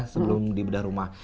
sebelum dibedah rumah